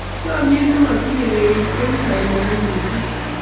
chamiet ne matinye kerib koibu bainaiet mising